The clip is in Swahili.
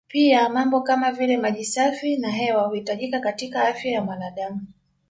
Pia mambo kama vile maji safi na hewa huhitajika katika afya ya mwanadam